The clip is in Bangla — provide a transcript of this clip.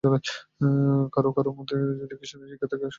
কারও কারও মধ্যে তিনি খ্রীষ্টান সাক্ষী বা শহীদ হয়েছিলেন।